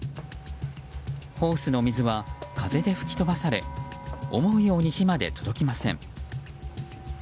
ホースの水は風で吹き飛ばされ思うように火まで届きません。